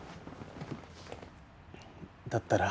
だったら。